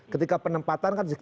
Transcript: ketika penempatan kan